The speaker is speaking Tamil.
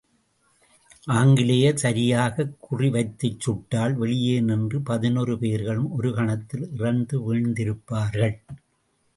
ஆங்கிலேயர் சரியாகக் குறிவைத்துச் சுட்டால், வெளியே நின்ற பதினோரு பேர்களும் ஒரு கணத்தில் இறந்து வீழ்ந்திருப்பார்கள்.